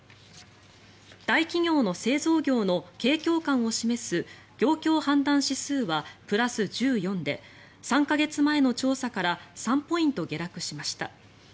大企業の製造業の景況感を示す業況判断指数はプラス１４で３か月前の調査から３ポイント下落しました。